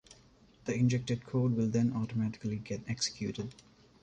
The injected code will then automatically get executed.